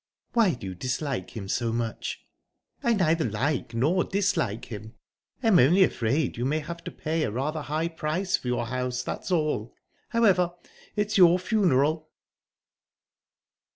"Why do you dislike him so much?" "I neither like nor dislike him. I'm only afraid you may have to pay a rather high price for your house, that's all. However, it's your funeral..."